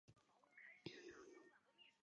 后转任礼部员外郎。